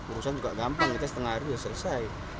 urusan juga gampang kita setengah hari sudah selesai